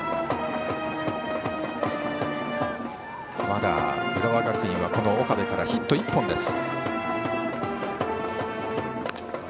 まだ浦和学院はこの岡部からヒット１本です。